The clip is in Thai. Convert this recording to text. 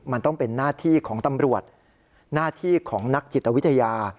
มันต้องเป็นหน้าที่ของตำรวจหน้าที่ของนักจิตวิทยา